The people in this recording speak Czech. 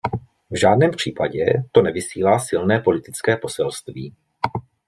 V žádném případě to nevysílá silné politické poselství.